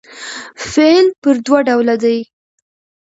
فعل پر دوه ډوله دئ.